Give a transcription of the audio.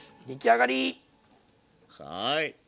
はい。